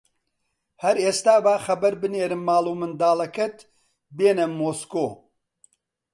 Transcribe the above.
هەر ئێستا با خەبەر بنێرم ماڵ و منداڵەکەت بێنە مۆسکۆ